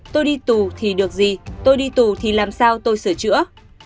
tôi đi tù thì được gì tôi đi tù thì làm sao tôi sửa chữa